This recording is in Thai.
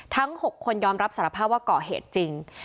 ทั้ง๖คนยอมรับสารภาพว่าก่อเหตุจริง